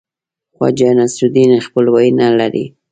خواجه نصیرالدین خپلوي نه لري.